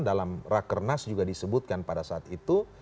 dalam raker nas juga disebutkan pada saat itu